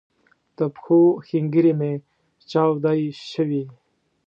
د پښو ښنګري می چاودی شوي